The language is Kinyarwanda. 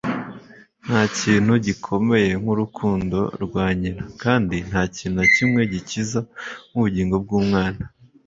nta kintu gikomeye nk'urukundo rwa nyina, kandi nta kintu na kimwe gikiza nk'ubugingo bw'umwana